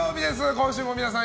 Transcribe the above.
今週も皆さん